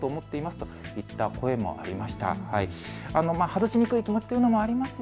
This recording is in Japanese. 外しにくい気持ちというのもあります。